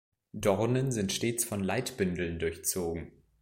Dornen sind stets von Leitbündeln durchzogen.